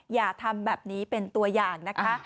อย่าทำแบบนี้เป็นตัวอย่างนะคะ